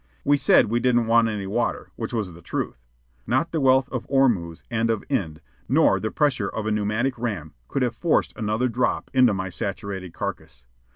We said we didn't want any water which was the truth. Not the wealth of Ormuz and of Ind, nor the pressure of a pneumatic ram, could have forced another drop into my saturated carcass.